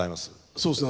そうですね